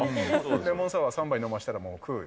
レモンサワー３杯飲ましたら、もう、くーよ。